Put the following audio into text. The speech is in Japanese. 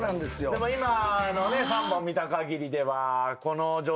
でも今の３本見たかぎりでは。